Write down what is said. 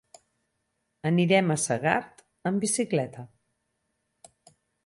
Anirem a Segart amb bicicleta.